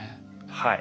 はい。